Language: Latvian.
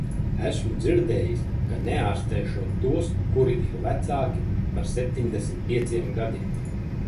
Esmu dzirdējis, ka neārstēšot tos, kuri vecāki par septiņdesmit pieciem gadiem.